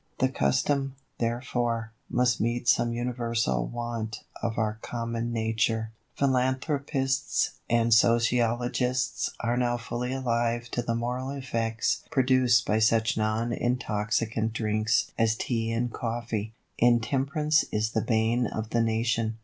The custom, therefore, must meet some universal want of our common nature." [B] Chemistry of Common Life. Philanthropists and sociologists are now fully alive to the moral effects produced by such non intoxicant drinks as Tea and Coffee. Intemperance is the bane of the nation.